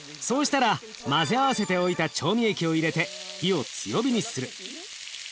そうしたら混ぜ合わせておいた調味液を入れて火を強火にする。